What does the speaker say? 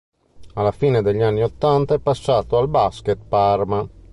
Alla fine degli anni ottanta è passato al Basket Parma.